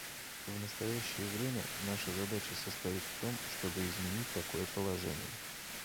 В настоящее время наша задача состоит в том, чтобы изменить такое положение.